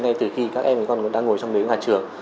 ngay từ khi các em còn đang ngồi trong đếm nhà trường